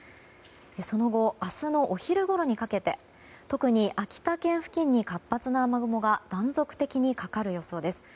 その後、明日のお昼ごろにかけて特に秋田県付近に活発な雨雲が断続的にかかる予想です。